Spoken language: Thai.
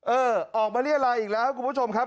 เออออกมาเรียรายอีกแล้วครับคุณผู้ชมครับ